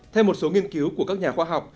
theo một số nghiên cứu của các nhà khoa học